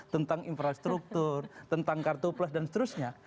tentang infrastruktur tentang kartu plus dan seterusnya